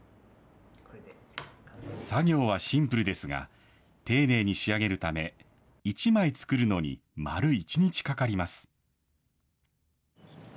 作業はシンプルですが、丁寧に仕上げるため、１枚作るのに丸１日かかります。